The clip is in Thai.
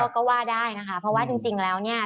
ก็ว่าได้นะคะเพราะว่าจริงแล้วเนี่ย